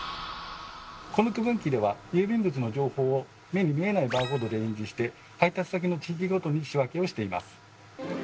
この区分機では郵便物の情報を目に見えないバーコードで印字して配達先の地域ごとに仕分けをしています。